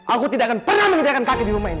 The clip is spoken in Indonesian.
aku tidak akan pernah mengerjakan kakek di rumah ini